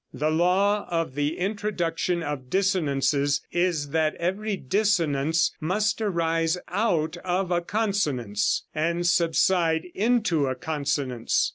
The law of the introduction of dissonances is that every dissonance must arise out of a consonance, and subside into a consonance.